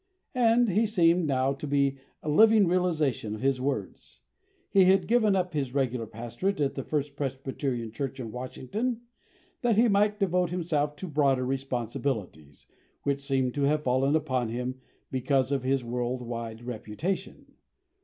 And he seemed now to be a living realisation of his words. He had given up his regular pastorate at the First Presbyterian Church in Washington, that he might devote himself to broader responsibilities, which seemed to have fallen upon him because of his world wide reputation.